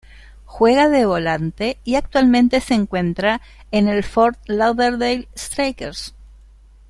Juega de volante y actualmente se encuentra en el Fort Lauderdale Strikers.